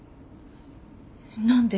何で？